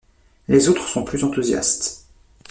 Les autres sont plus enthousiastes.